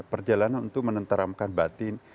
perjalanan untuk menenteramkan batin